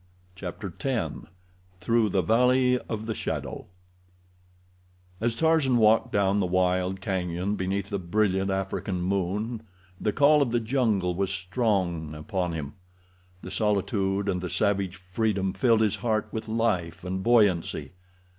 Chapter X Through the Valley of the Shadow As Tarzan walked down the wild cañon beneath the brilliant African moon the call of the jungle was strong upon him. The solitude and the savage freedom filled his heart with life and buoyancy.